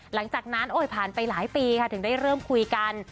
หลังจากนั้นโอ้ยผ่านไปหลายปีค่ะถึงได้เริ่มคุยกัน